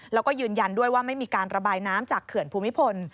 แล้วก็ยืนยันด้วยว่าไม่มีการระบายน้ำจากเขื่อนภูมิพล